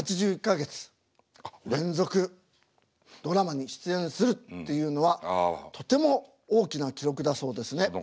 ８１か月連続ドラマに出演するっていうのはとても大きな記録だそうですね。